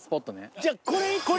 じゃあこれ。